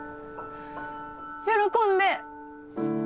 喜んで！